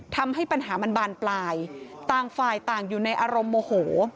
ทำให้ปัญหามันบานปลายต่างฝ่ายต่างอยู่ในอารมณ์โมโห